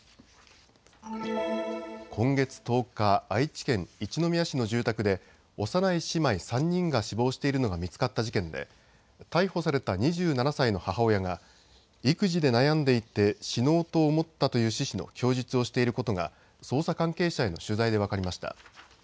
今月１０日、愛知県一宮市の住宅で幼い姉妹３人が死亡しているのが見つかった事件で逮捕された２７歳の母親が育児で悩んでいて死のうと思ったという趣旨の供述をしていることが捜査関係者への取材で分かりました。